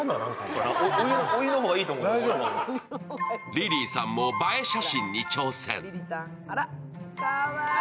リリーさんも映え写真に挑戦。